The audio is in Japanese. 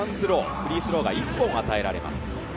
フリースローが１本与えられます。